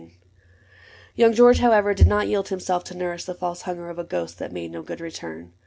Young George, however, did not yield himself To nourish the false hunger of a ghost That made no good return.